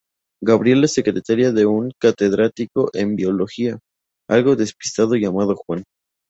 Gabriela es secretaria de un catedrático en biología algo despistado llamado Juan.